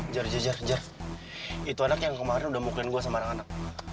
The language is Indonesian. jer jer jer itu anak yang kemarin udah mukuin gue sama anak anak